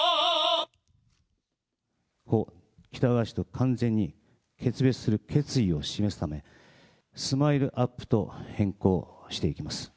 故・喜多川氏と完全に決別する決意を示すため、スマイルアップと変更していきます。